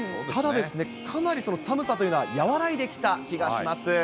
ただかなり寒さというのは和らいできた気がします。